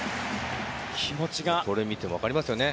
これを見て分かりますよね。